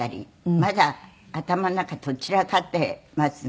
まだ頭の中とっちらかっていますが。